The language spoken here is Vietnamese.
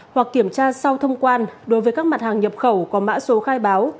hoặc kiểm tra sau thông quan đối với các mặt hàng nhập khẩu có mã số khai báo